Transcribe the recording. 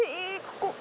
ここ！